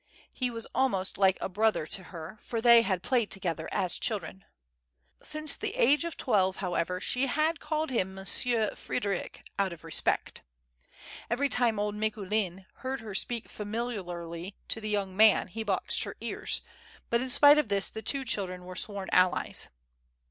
lie was almost like a brother to her, for they had played together as children. Since the age of twelve, however, she had called him "Monsieur Frederic," out of respect. Every time old Micoulin heard her speak familiarly to the young man he boxed her ears, but in spite of this the two children were sworn allies.